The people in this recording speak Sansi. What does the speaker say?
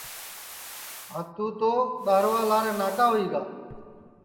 بھاتُو تو دؔارووا ناگا ہوئی گا